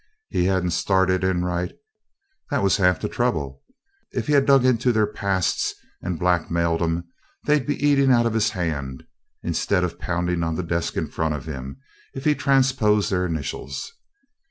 He hadn't started in right that was half the trouble. If he had dug into their pasts and blackmailed 'em, they'd be eating out of his hand, instead of pounding on the desk in front of him if he transposed their initials.